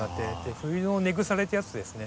冬の根腐れっていうやつですね。